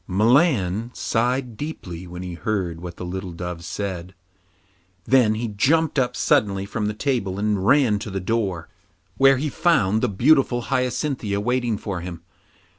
Milan sighed deeply when he heard what the little dove said. Then he jumped up suddenly from the table and ran to the door, where he found the beautiful Hyacinthia waiting for him.